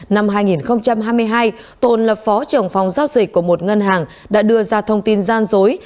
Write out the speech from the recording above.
năm hai nghìn hai mươi hai tồn là phó trưởng phòng giao dịch của một ngân hàng đã đưa ra thông tin gian dối